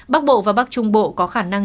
bắc bộ và bắc trung bộ có khả năng